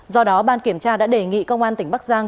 do đó ban kiểm tra đã đề nghị công an tỉnh bắc giang